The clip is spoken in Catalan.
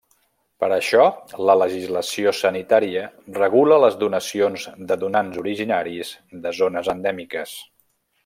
Per això la legislació sanitària regula les donacions de donants originaris de zones endèmiques.